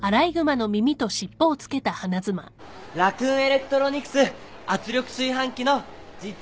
ラクーン・エレクトロニクス圧力炊飯器の実演販売中です！